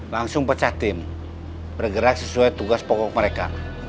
langsung pecah tim bergerak sesuai tugas pokok mereka